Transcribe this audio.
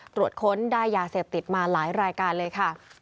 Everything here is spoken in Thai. ตรวจค้นได้ยาเสพติดมาหลายรายการเลยค่ะ